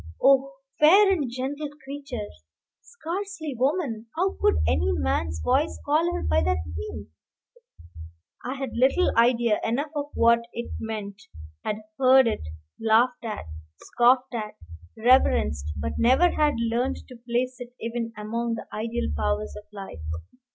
oh, fair and gentle creature, scarcely woman, how could any man's voice call her by that name! I had little idea enough of what it meant, had heard it laughed at, scoffed at, reverenced, but never had learned to place it even among the ideal powers of life.